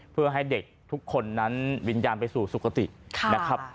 เพื่อให้เด็กทุกคนนั้นวิญญาณไปสู่สุขตินะครับ